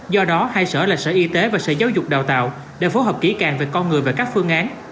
do đó hai sở là sở y tế và sở giáo dục đào tạo để phối hợp kỹ càng về con người và các phương án